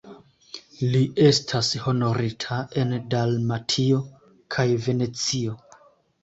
Li estas honorita en Dalmatio kaj Venecio.